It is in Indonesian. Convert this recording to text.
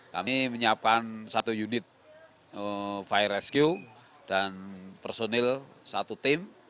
kami menyiapkan satu unit fire rescue dan personil satu tim